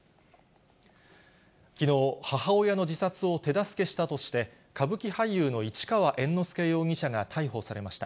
きのう、母親の自殺を手助けしたとして、歌舞伎俳優の市川猿之助容疑者が逮捕されました。